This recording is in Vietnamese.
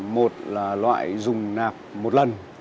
một là loại dùng nạp một lần